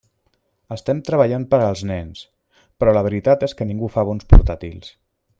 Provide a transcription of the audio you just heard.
Estem treballant per als nens, però la veritat és que ningú fa bons portàtils.